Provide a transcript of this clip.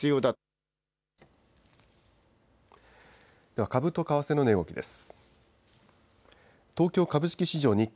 では株と為替の値動きです。